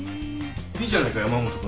いいじゃないか山本君。